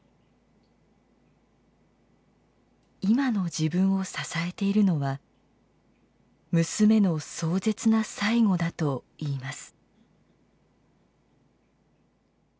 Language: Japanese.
今の自分を支えているのは娘の壮絶な最期だといいます。